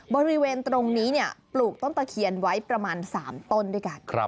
บริเวณตรงนี้ปลูกต้นตะเคียนไว้ประมาณ๓ต้นด้วยกัน